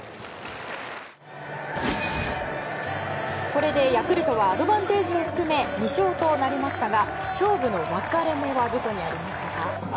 これでヤクルトはアドバンテージを含め２勝となりましたが勝負の分かれ目はどこにありましたか？